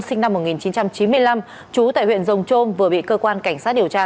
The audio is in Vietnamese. sinh năm một nghìn chín trăm chín mươi năm trú tại huyện rồng trôm vừa bị cơ quan cảnh sát điều tra